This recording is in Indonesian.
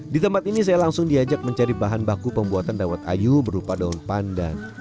di tempat ini saya langsung diajak mencari bahan baku pembuatan dawet ayu berupa daun pandan